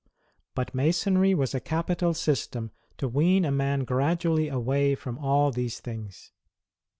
But Masonry was a capital system to wean a man gradu ally away from all these things.